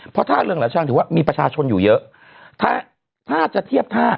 เพราะท่าเรืองละชังถือว่ามีประชาชนอยู่เยอะถ้าถ้าจะเทียบท่า